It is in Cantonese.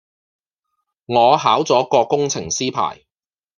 我考咗個工程師牌